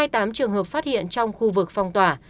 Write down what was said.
hai mươi tám trường hợp phát hiện trong khu vực phong tỏa